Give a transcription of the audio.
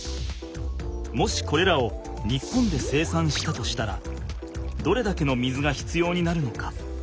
もしこれらを日本で生産したとしたらどれだけの水が必要になるのか？